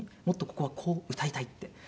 「もっとここはこう歌いたい」って。